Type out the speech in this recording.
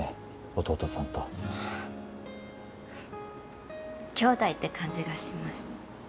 弟さんと姉弟って感じがします